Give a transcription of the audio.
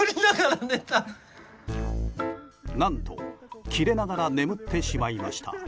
何とキレながら眠ってしまいました。